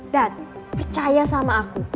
dad percaya sama aku